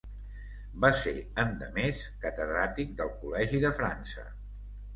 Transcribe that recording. Va ser, endemés, catedràtic del Col·legi de França.